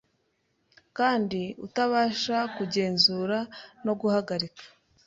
kandi utabasha kugenzura no guhagarika.